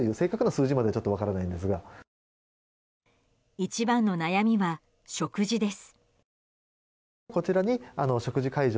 一番の悩みは、食事です。